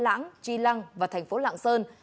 lãng tri lăng và tp lạng sơn